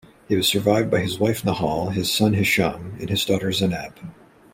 He was survived by his wife, Nehal, his son, Hisham and his daughter, Zeinab.